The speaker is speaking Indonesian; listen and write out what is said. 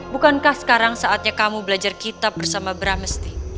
bukankah sekarang saatnya kamu belajar kitab bersama bramesti